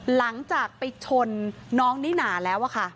หลังจากไปชนน้องนิน่าแล้วอะค่ะ